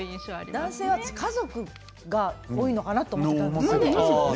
男性は家族が多いのかなと思いました。